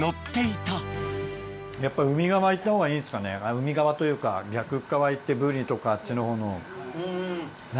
海側というか逆側行ってブリとかあっちの方の。